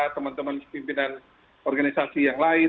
teman teman pimpinan organisasi yang lain